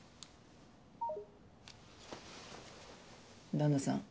旦那さん